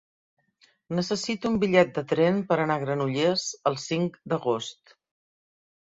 Necessito un bitllet de tren per anar a Granollers el cinc d'agost.